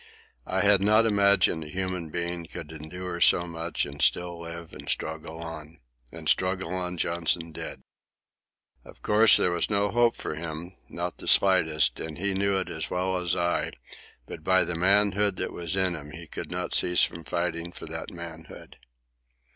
I had not imagined a human being could endure so much and still live and struggle on. And struggle on Johnson did. Of course there was no hope for him, not the slightest, and he knew it as well as I, but by the manhood that was in him he could not cease from fighting for that manhood.